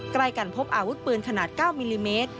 ใกล้กันพบอาวุธปืนขนาด๙มิลลิเมตร